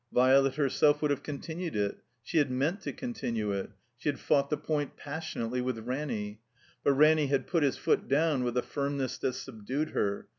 Violet herself wotdd have continued it; she had meant to continue it; she had fought the point passionately with Ranny; but Ranny had put his foot down with a firmness that subdued her.